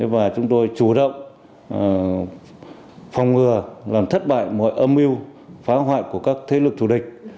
và chúng tôi chủ động phòng ngừa làm thất bại mọi âm mưu phá hoại của các thế lực thù địch